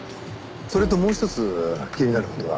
それともうひとつ気になる事が。